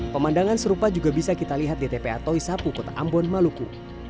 pemandangan serupa juga bisa kita lihat di tpa toisapu kota ambon maluku